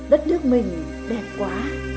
đất nước mình đẹp quá